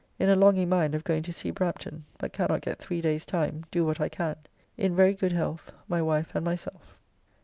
In a longing mind of going to see Brampton, but cannot get three days time, do what I can. In very good health, my wife and myself.